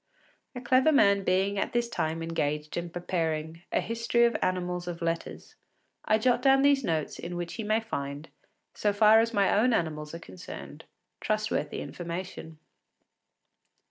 A clever man being at this time engaged in preparing a “History of Animals of Letters,” I jot down these notes in which he may find, so far as my own animals are concerned, trustworthy information.